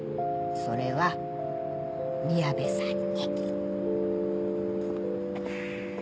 それは宮部さんに。